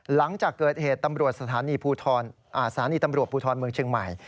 หลังจากเกิดเหตุตำรวจสถานีตำรวจภูทรเมืองเชียงใหม่